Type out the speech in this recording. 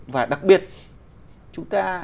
và đặc biệt